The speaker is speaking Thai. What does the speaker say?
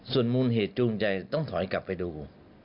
ส่วนมูลเหตุจูงใจต้องถอยกลับไปดู